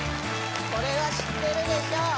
これは知ってるでしょう